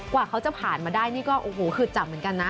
กว่าเขาจะผ่านมาได้นี่ก็โอ้โหคือจับเหมือนกันนะ